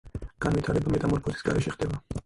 განვითარება მეტამორფოზის გარეშე ხდება.